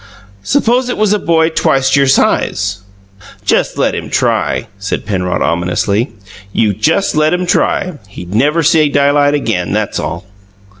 "Suppose it was a boy twice your size?" "Just let him try," said Penrod ominously. "You just let him try. He'd never see daylight again; that's all!"